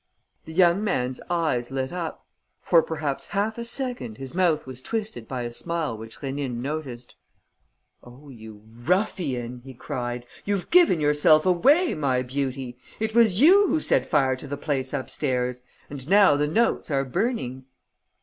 The young man's eyes lit up. For perhaps half a second his mouth was twisted by a smile which Rénine noticed: "Oh, you ruffian!" he cried. "You've given yourself away, my beauty! It was you who set fire to the place upstairs; and now the notes are burning."